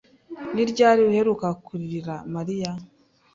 Ni ryari uheruka kurira Mariya?